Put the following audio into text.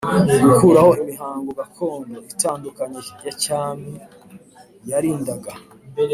Gukuraho imihango gakondo itandukanye ya cyami yarindaga